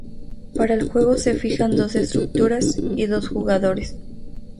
Para el juego se fijan dos estructuras, y dos jugadores.